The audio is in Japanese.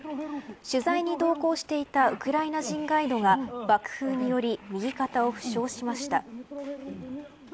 取材に同行していたウクライナ人ガイドが爆風により右肩を負傷しました。